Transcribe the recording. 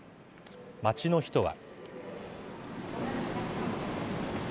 街の人は。